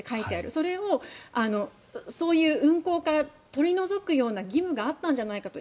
それをそういう運航から取り除くような義務があったんじゃないかと。